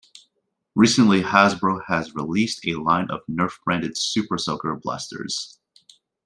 Recently, Hasbro has released a line of Nerf-branded Super Soaker blasters.